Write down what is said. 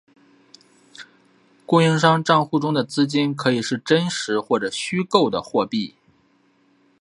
供应商帐户中的资金可以是真实或者虚构的货币。